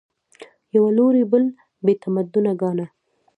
یوه لوري بل بې تمدنه ګاڼه